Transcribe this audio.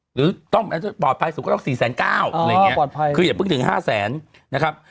หรือต้องปลอดภัยสูงกว่าต้อง๔แสน๙อะไรอย่างนี้คืออย่าพึ่งถึง๕แสนนะครับ